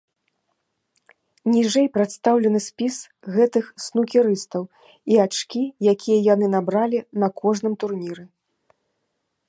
Ніжэй прадстаўлены спіс гэтых снукерыстаў і ачкі, якія яны набралі на кожным турніры.